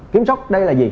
kiểm soát đây là gì